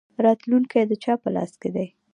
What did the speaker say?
راتلونکی د چا په لاس کې دی؟